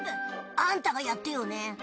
あんたがやってよね。